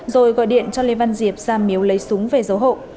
rồi gọi điện cho lê văn diệp ra miếu lấy súng về dấu hộ